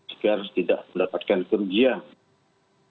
agar tidak mendapatkan kerugian